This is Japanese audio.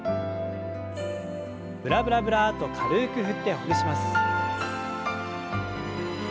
ブラブラブラッと軽く振ってほぐします。